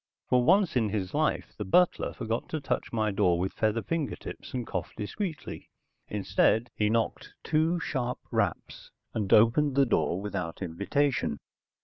For once in his life the butler forgot to touch my door with feather fingertips and cough discreetly. Instead he knocked two sharp raps, and opened the door without invitation.